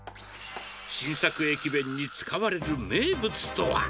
新作駅弁に使われる名物とは。